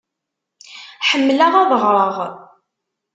Ḥemmleɣ ad ɣṛeɣ.